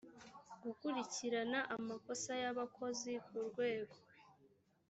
gukurikirana amakosa y abakozi ku rwego